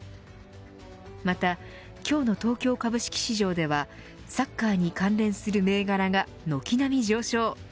また今日の東京株式市場ではサッカーに関連する銘柄が軒並み上昇。